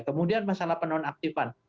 kemudian masalah penonaktifan